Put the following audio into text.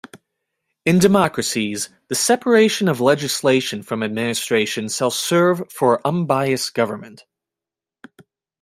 In democracies, the separation of legislation from administration shall serve for unbiased government.